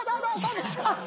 あっ。